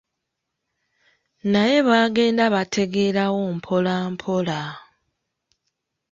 Naye baagenda bategeerawo mpolampola.